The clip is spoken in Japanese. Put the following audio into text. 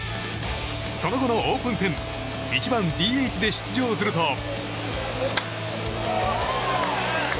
その後のオープン戦１番ＤＨで出場すると。